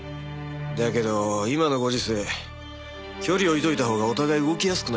だけど今のご時世距離置いといたほうがお互い動きやすくないっすか？